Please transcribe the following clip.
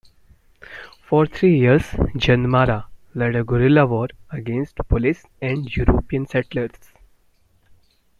For three years, Jandamarra led a guerrilla war against police and European settlers.